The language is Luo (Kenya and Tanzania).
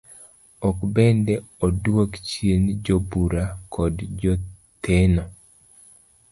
Iko bende oduok chien jobuoro kod jotheno.